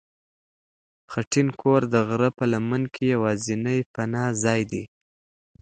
خټین کور د غره په لمن کې یوازینی پناه ځای دی.